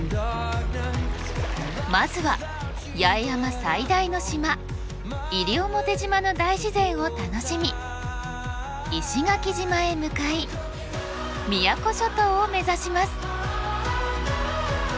まずは八重山最大の島西表島の大自然を楽しみ石垣島へ向かい宮古諸島を目指します。